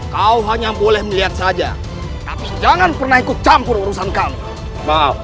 kau hanya boleh melihat saja tapi jangan pernah ikut campur urusan kamu maaf